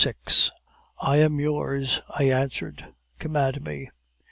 "'I am yours,' I answered; 'command me.